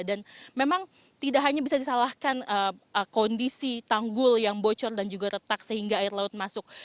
dan memang tidak hanya bisa disalahkan kondisi tanggul yang bocor dan juga retak sehingga air laut masuk